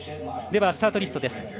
ではスタートリストです。